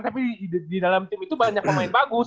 tapi di dalam tim itu banyak pemain bagus